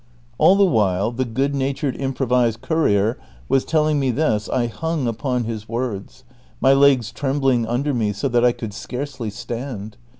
All the while the good natured innDrovised courier was telling me this, I hung upon his words, my legs trembling under me so that I could scarcely stand.